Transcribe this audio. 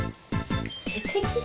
でてきた！